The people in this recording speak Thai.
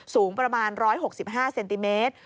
สูงประมาณ๑๖๕เซนติเมตร